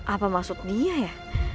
apa maksud dia ya